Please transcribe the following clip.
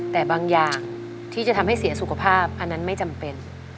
แต่บางอย่างที่จะทำให้เสียสุขภาพอันนั้นไม่จำเป็น